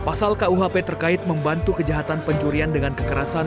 pasal kuhp terkait membantu kejahatan pencurian dengan kekerasan